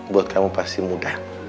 buat kamu pasti mudah